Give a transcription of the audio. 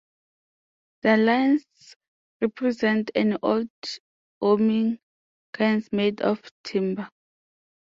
The lines represent an old warning cairn made of timber.